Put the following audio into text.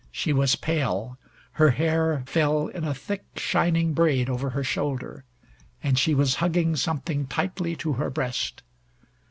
She was pale. Her hair fell in a thick shining braid over her shoulder, and she was hugging something tightly to her breast.